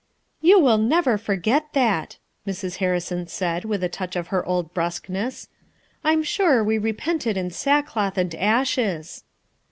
"You will never forget that!" Mrs. Harrison said with a touch of her old brusqueness, " I 'm sure we repented in sackcloth and ashes."